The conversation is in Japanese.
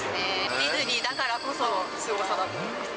ディズニーだからこそのすごさだと思います。